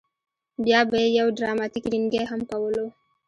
بیا به یې یو ډراماتیک رینګی هم کولو.